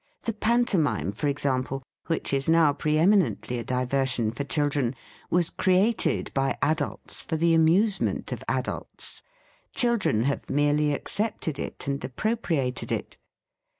The pantomime, for example, which is now pre eminently a diversion for children, was created by adults for the amusement of adults. Children have merely ac cepted it and appropriated it.